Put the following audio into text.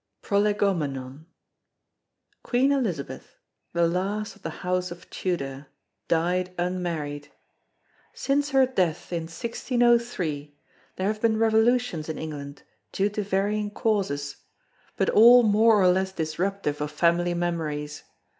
PROLEGOMENON Queen Elizabeth, the last of the House of Tudor, died unmarried. Since her death in 1603, there have been revolutions in England due to varying causes, but all more or less disruptive of family memories.